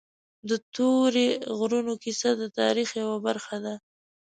د تورې غرونو کیسه د تاریخ یوه برخه ده.